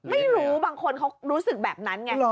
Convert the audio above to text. ไม่รู้บางคนเขารู้สึกแบบนั้นไง